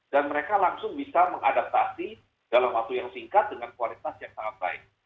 dan mereka langsung bisa mengadaptasi dalam waktu yang singkat dengan kualitas yang sangat baik